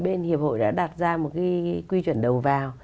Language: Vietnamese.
bên hiệp hội đã đặt ra một cái quy chuẩn đầu vào